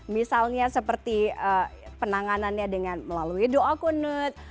misalnya seperti penanganannya dengan melalui doa kunut